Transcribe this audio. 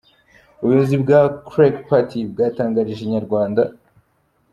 Ubuyobozi bwa Quelque Part bwatangarije inyarwanda.